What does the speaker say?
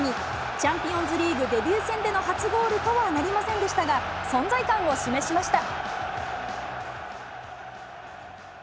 チャンピオンズリーグデビュー戦での初ゴールとはなりませんでしたが、存在感を示しました。